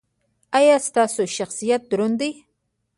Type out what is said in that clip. ایا ستاسو شخصیت دروند دی؟